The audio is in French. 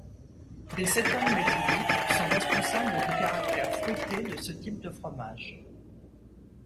Des cétones méthyliques sont responsables du caractère fruité de ce type de fromage.